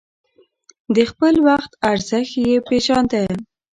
د خپل وخت ارزښت يې پېژانده.